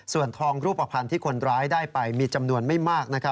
ส่วนทองรูปภัณฑ์ที่คนร้ายได้ไปมีจำนวนไม่มาก